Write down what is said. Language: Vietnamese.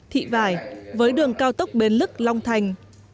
thị vải với đường cao tốc bến lức long thành